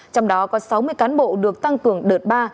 trong đó có sáu mươi cán bộ được tăng cường đợt ba